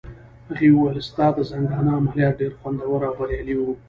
هغې وویل: ستا د زنګانه عملیات ډېر خوندور او بریالي وو.